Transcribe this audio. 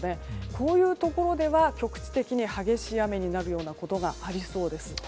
こういうところでは局地的に激しい雨になることがありそうです。